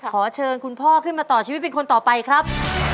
ขอเชิญคุณพ่อขึ้นมาต่อชีวิตเป็นคนต่อไปครับ